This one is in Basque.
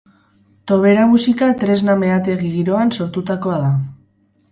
Tobera musika tresna meategi giroan sortutakoa da.